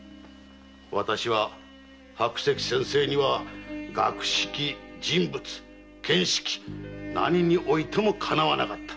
私は白石先生には学識・人物・見識何においてもかなわなかった。